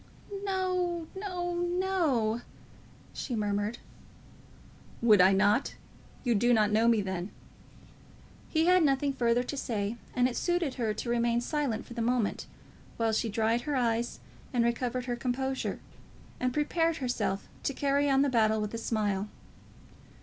"No; no; no;" she murmured. "Would I not? You do not know me then." He had nothing further to say, and it suited her to remain silent for the moment, while she dried her eyes, and recovered her composure, and prepared herself to carry on the battle with a smile.